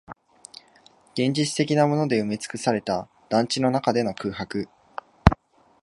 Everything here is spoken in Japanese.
現実的なもので埋めつくされた団地の中での空白